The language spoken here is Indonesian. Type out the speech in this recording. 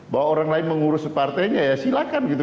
bahwa orang lain mengurus separtainya ya silakan gitu